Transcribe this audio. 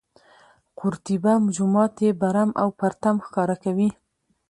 قورطیبه جومات یې برم او پرتم ښکاره کوي.